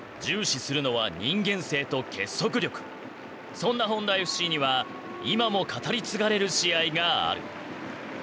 そんなホンダＦＣには今も語り継がれる試合がある。